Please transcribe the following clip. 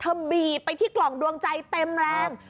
บีบไปที่กล่องดวงใจเต็มแรง